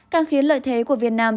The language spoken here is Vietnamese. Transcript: càng khiến lợi thế của việt nam